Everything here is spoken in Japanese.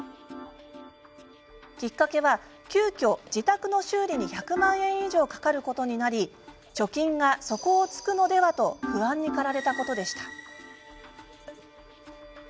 きっかけは急きょ、自宅の修理に１００万円以上かかることになり貯金が底をつくのではと不安に駆られたことでした。